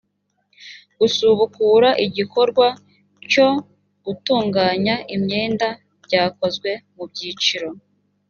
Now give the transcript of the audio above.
gusubukura igikorwa cyo gutunganya imyenda byakozwe mu byiciro